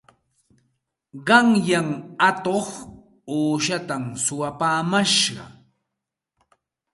Qanyan atuq uushatam suwapaamash.